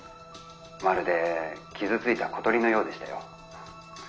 まるで傷ついた小鳥のようでしたよ。